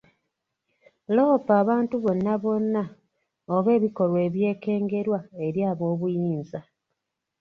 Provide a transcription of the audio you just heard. Loopa abantu bonna bonna oba ebikolwa ebyekengerwa eri aboobuyinza.